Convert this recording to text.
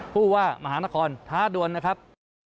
ผู้ว่ามหานครท้าดวนนะครับ